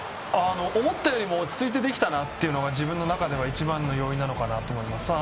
思ったよりも落ち着いてできたなというのが自分の中では一番の要因かなと思います。